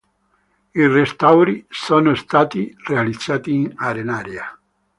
I restauri sono stati realizzati in arenaria.